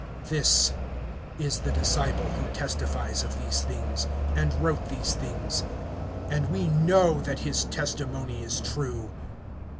(24)This is the disciple who testifies of these things, and wrote these things; and we know that his testimony is true.